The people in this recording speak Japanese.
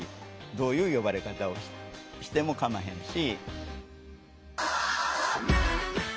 どういう呼ばれ方をしてもかまへんし。